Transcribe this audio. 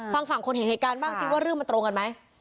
ฟังฝั่งคนเห็นเหตุการณ์บ้างสิว่าเรื่องมันตรงกันไหม